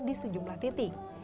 di sejumlah titik